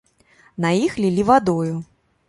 На іх лілі вадою.